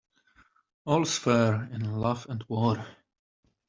All's fair in love and war.